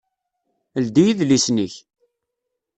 Ldi idlisen-ik!